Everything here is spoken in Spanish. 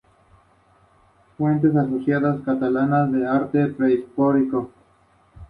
La ciudad cuenta con el parque balneario "Doctor Delio Panizza".